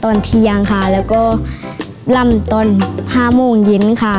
ตอนเที่ยงค่ะแล้วก็ล่ำตอน๕โมงเย็นค่ะ